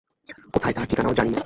কোথায়, তার ঠিকানাও জানি নে।